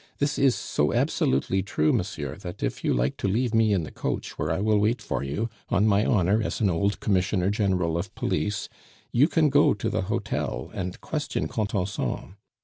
This is so absolutely true, monsieur, that if you like to leave me in the coach, where I will wait for you, on my honor as an old Commissioner General of Police, you can go to the hotel and question Contenson.